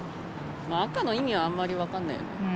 赤の意味はあんまり分かんないよね。